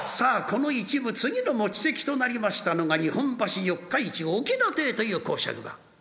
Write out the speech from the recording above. この一夢次の持ち席となりましたのが日本橋四日市翁亭という講釈場。